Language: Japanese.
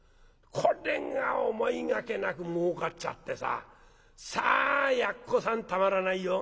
これが思いがけなくもうかっちゃってささあやっこさんたまらないよ。